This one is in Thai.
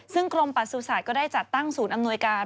ซึ่งกรมประสุทธิ์ก็ได้จัดตั้งศูนย์อำนวยการ